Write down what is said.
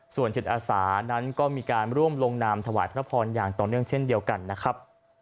ส่วนจิตอาสานั้นก็มีการร่วมลงนามถวายพระพรอย่างต่อเนื่องเช่นเดียวกันนะครับ